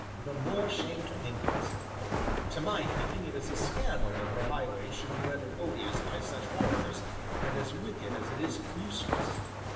"The more shame to England," said I; "to my thinking it is a scandal that our highways should be rendered odious by such horrors, and as wicked as it is useless."